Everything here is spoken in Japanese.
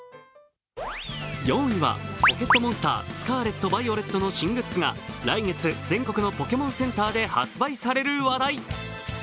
４位は「ポケットモンスタースカーレット・バイオレット」の新グッズが来月、全国のポケモンストアで発売される話題。